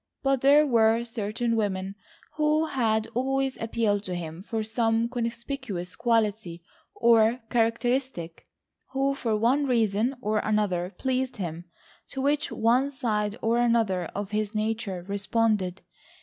But there were certain women who had always appealed to him for some conspicuous quality, or characteristic, who for one reason or another pleased him, to which one side or another of his nature responded.